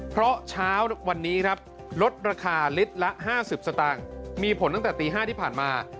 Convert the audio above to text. เพราะเช้าวันนี้ครับลดราคาลิตรละ๕๐สตางค์มีผลตั้งแต่ตี๕ที่ผ่านมา